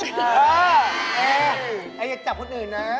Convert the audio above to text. เออแอร์อย่าจับคนอื่นนะ